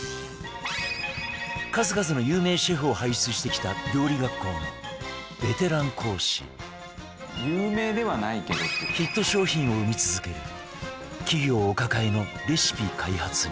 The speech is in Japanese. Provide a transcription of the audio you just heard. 数々の有名シェフを輩出してきた料理学校のヒット商品を生み続ける企業お抱えのレシピ開発人